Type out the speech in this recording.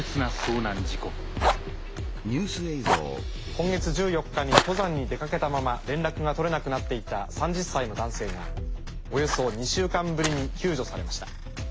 今月１４日に登山に出かけたまま連絡が取れなくなっていた３０歳の男性がおよそ２週間ぶりに救助されました。